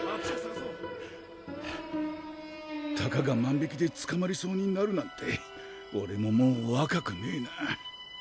たかが万引きでつかまりそうになるなんておれももう若くねえな。